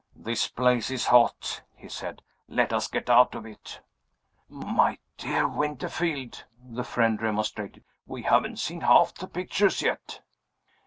"This place is hot," he said; "let us get out of it!" "My dear Winterfield!" the friend remonstrated, "we haven't seen half the pictures yet."